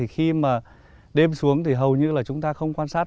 khi đêm xuống hầu như chúng ta không quan sát